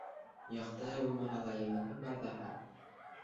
Яҡтыһы булмаһа ла, йылыһы бар ҙаһа.